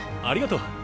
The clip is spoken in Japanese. ありがとう。